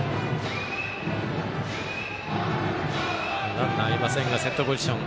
ランナーいませんがセットポジション。